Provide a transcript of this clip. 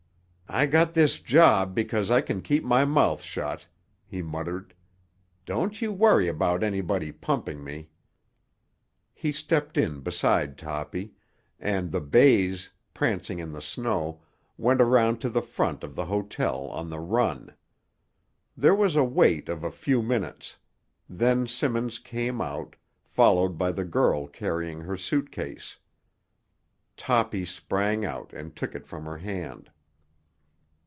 "I got this job because I can keep my mouth shut," he muttered. "Don't you worry about anybody pumping me." He stepped in beside Toppy; and the bays, prancing in the snow, went around to the front of the hotel on the run. There was a wait of a few minutes; then Simmons came out, followed by the girl carrying her suitcase. Toppy sprang out and took it from her hand.